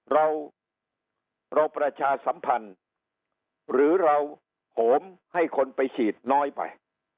เราเราประชาสัมพันธ์หรือเราโหมให้คนไปฉีดน้อยไป